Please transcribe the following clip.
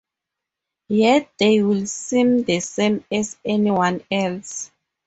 Yet they will seem the same as anyone else.